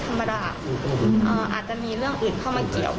แต่อาจจะเป็นเรื่องเป็นหลัก